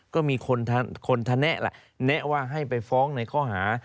ก็มีคนแนะล่ะแนะว่าให้ไปฟ้องในคดี